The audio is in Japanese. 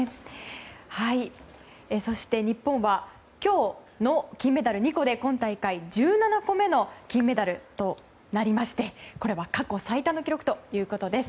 そして日本は今日の金メダル２個で今大会１７個目の金メダルとなりましてこれは過去最多の記録ということです。